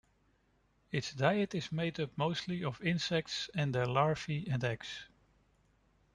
Its diet is made up mostly of insects and their larvae and eggs.